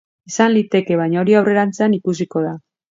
Izan liteke, baina hori aurrerantzean ikusiko da.